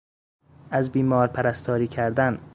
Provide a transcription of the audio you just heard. از بیمار پرستاری کردن